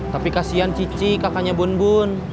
tapi kasian cici kakaknya bun bun